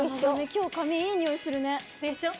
今日髪いいにおいするね。でしょ？